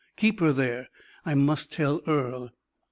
Keep her there; I must tell Earle."